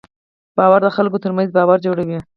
باور د خلکو تر منځ باور جوړوي.